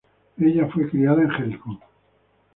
Ella fue criada en Jericó.